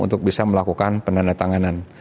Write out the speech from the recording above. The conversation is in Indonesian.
untuk bisa melakukan penerapanan